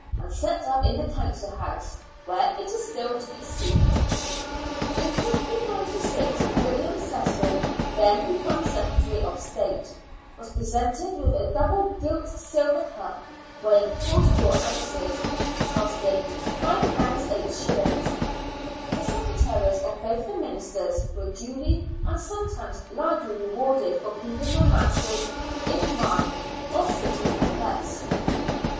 and set up in the Council House, where it is still to be seen. In 1596 WilUam Cecil, then become Secretary of State, was presented with a double gilt silver cup, weighing forty four ounces, and costing £15 8s. The secretaries of both the ministers were duly and sometimes largely rewarded for keeping their masters " in mind " of the city's request.